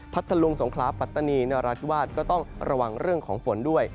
ทะลุงสงคราปัตตานีนราธิวาสก็ต้องระวังเรื่องของฝนด้วย